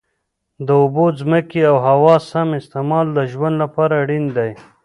د اوبو، ځمکې او هوا سم استعمال د ژوند لپاره اړین دی.